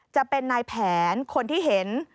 จะเป็นนายแผนคนที่เห็น